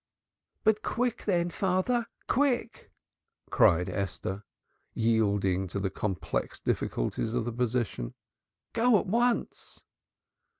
"But, quick, then, father, quick!" cried Esther, yielding to the complex difficulties of the position. "Go at once."